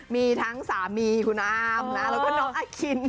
มีทั้งสามีคุณอามนะแล้วก็น้องอาคิน